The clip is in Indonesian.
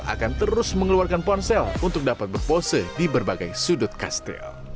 akan terus mengeluarkan ponsel untuk dapat berpose di berbagai sudut kastil